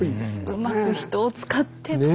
うまく人を使って造って。